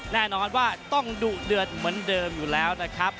แน่นอนว่าต้องดุเดือดเหมือนเดิมอยู่แล้วนะครับ